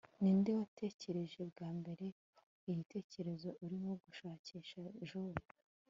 Ninde watekereje bwa mbere igitekerezo Urimo gushakisha Joe